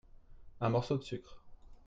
un morceau de sucre.